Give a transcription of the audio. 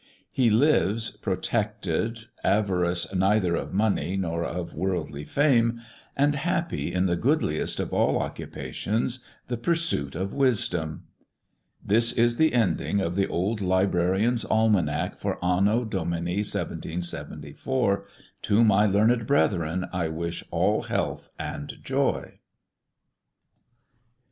He lives protected, avaricious neither of Money nor of Worldly Fame, and happy in the goodliest of all Occupations, ŌĆö the pursuit of Wisdom. This is the Ending of The Old Librarian's Almanack for Anno Domini 1 774. To my leam'd Brethren, I wish all Health and Joy.